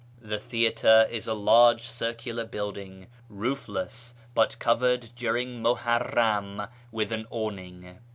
The theatre is a large circular [building, — roofless, but covered during Muharram with an awning.